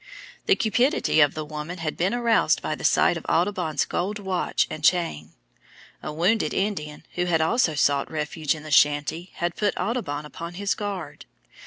The cupidity of the woman had been aroused by the sight of Audubon's gold watch and chain. A wounded Indian, who had also sought refuge in the shanty had put Audubon upon his guard.